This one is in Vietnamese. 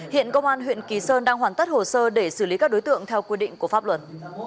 hiện công an huyện kỳ sơn đang hoàn tất hồ sơ để xử lý các đối tượng theo quy định của pháp luật